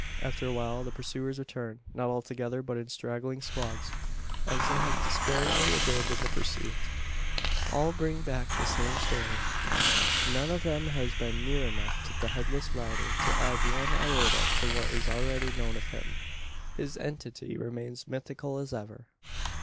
After a while the pursuers return; not all together, but in straggling squads as they have despairingly abandoned the pursuit. All bring back the same story. None of them has been near enough to the Headless rider to add one iota to what is already known of him. His entity remains mythical as ever!